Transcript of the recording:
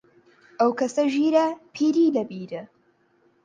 ئەو کەسە ژیرە، پیری لە بیرە